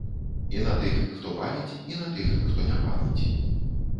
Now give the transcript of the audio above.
І на тых, хто паліць, і на тых, хто не паліць.